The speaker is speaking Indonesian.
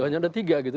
hanya ada tiga gitu